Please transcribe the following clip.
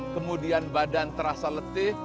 kemudian badan terasa letih